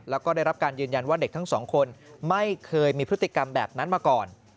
แล้วก็ได้รับการยืนยันว่าเด็กทั้งสองคนไม่เคยมีพฤติกรรมแบบนั้นมาก่อน